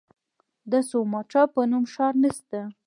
د سوماټرا په نوم ښار نسته.